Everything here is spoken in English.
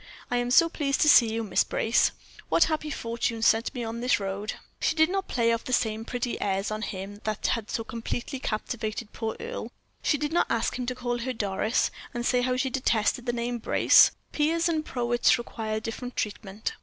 I am so pleased to see you, Miss Brace. What happy fortune sent me on this road?" She did not play off the same pretty airs on him that had so completely captivated poor Earle; she did not ask him to call her Doris, and say how she detested the name "Brace." Peers and poets require different treatment.